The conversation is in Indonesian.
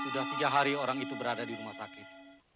sudah tiga hari orang itu berada di rumah sakit